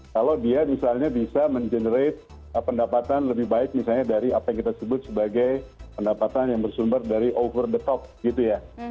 kalau dia misalnya bisa mengenerate pendapatan lebih baik misalnya dari apa yang kita sebut sebagai pendapatan yang bersumber dari over the top gitu ya